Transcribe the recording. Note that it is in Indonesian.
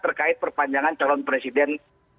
terkait perpanjangan calon presiden